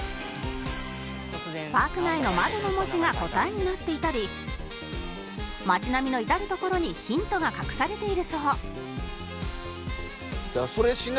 パーク内の窓の文字が答えになっていたり街並みの至る所にヒントが隠されているそう